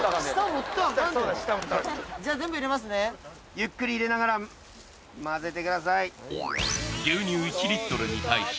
ゆっくり入れながら混ぜてください。